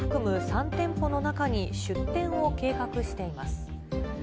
３店舗の中に出店を計画しています。